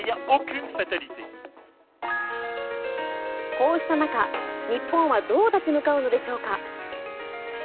こうした中、日本はどう立ち向かうのでしょうか。